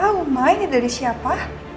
aku juga gak tau ma ini dari siapa